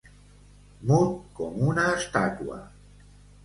Mut com una estàtua.